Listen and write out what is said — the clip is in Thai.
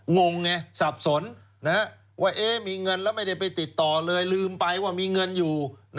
งงไงสับสนว่ามีเงินแล้วไม่ได้ไปติดต่อเลยลืมไปว่ามีเงินอยู่